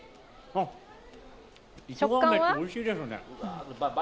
あっ、いちご飴っておいしいですね